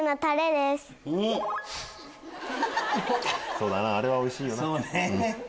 そうだなあれはおいしいよな。